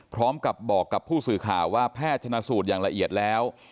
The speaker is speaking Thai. พร้อมกับบอกกับผู้สื่อข่าวว่าแพทย์ชนะสูตรอย่างละเอียดแล้ว